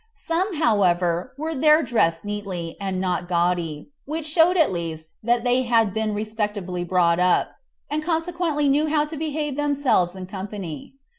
Some, however, were there dressed neat, and not gaudy, which showed at least that they had been respectably brought up, and consequently knew how to behave themselves in company.